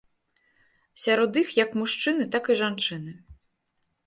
Сярод іх як мужчыны, так і жанчыны.